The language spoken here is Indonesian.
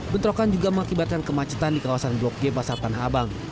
bentrokan juga mengakibatkan kemacetan di kawasan blok g pasar tanah abang